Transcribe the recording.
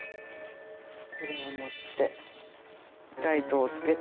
これを持ってライトをつけて。